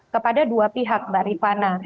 kepada dua pihak baripana